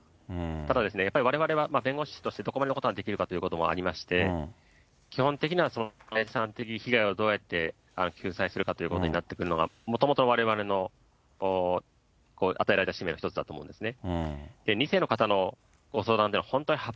ただですね、やっぱりわれわれは弁護士としてどこまでのところができるかということもありまして、基本的な被害をどうやって救済するかということがもともとわれわれの与えられた使命の一つだと思うんですね。